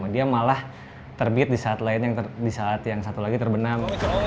dia malah terbit di saat yang satu lagi terbenam